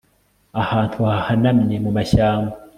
ahantu hahanamye, mu mashyamba